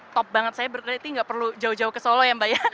top banget saya berkira itu tidak perlu jauh jauh ke solo ya mbak ya